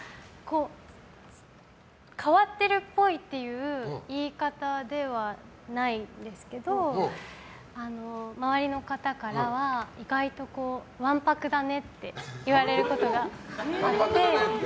変わってるっぽいっていう言い方ではないんですけど周りの方からは意外とわんぱくだねって言われることがあって。